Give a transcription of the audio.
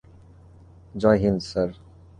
Joy Hind, sir.